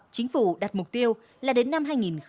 chính phủ đặt mục tiêu là đến năm hai nghìn hai mươi